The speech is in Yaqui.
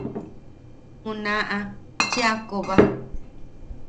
Juna-ʼa cheʼa koba.